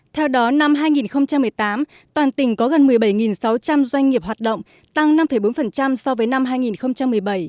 theo đó năm hai nghìn một mươi tám toàn tỉnh có gần một mươi bảy sáu trăm linh doanh nghiệp hoạt động tăng năm bốn so với năm hai nghìn một mươi bảy